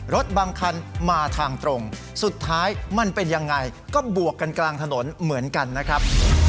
รถบางคันมาทางตรงสุดท้ายมันเป็นยังไงก็บวกกันกลางถนนเหมือนกันนะครับ